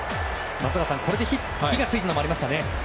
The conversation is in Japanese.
松坂さん、これで火が付いたのもありますかね。